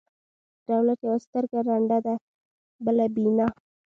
د دولت یوه سترګه ړنده ده، بله بینا.